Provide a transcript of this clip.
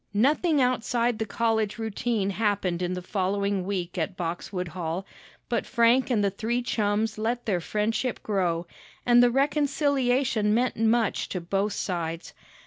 Nothing outside the college routine happened in the following week at Boxwood Hall; but Frank and the three chums let their friendship grow, and the reconciliation meant much to both sides.